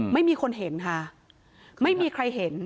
ไม่มีคนเห็นค่ะไม่มีใครเห็น